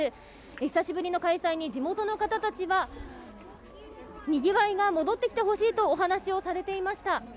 久しぶりの開催に地元の方たちはにぎわいが戻ってきてほしいとお話をされていました。